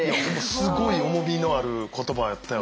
すごい重みのある言葉やったよな。